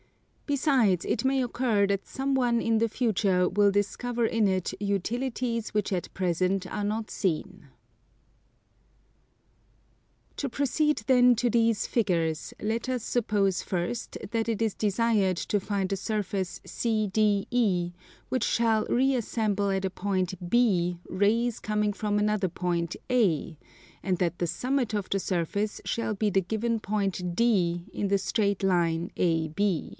Besides, it may occur that some one in the future will discover in it utilities which at present are not seen. To proceed then to these figures, let us suppose first that it is desired to find a surface CDE which shall reassemble at a point B rays coming from another point A; and that the summit of the surface shall be the given point D in the straight line AB.